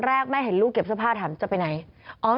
แรกแม่เห็นลูกเก็บเสื้อผ้าถามจะไปไหน